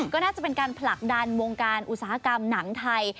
ก็น่าจะเป็นการผลักดันวงการอุตสาหกรรมหนังไทย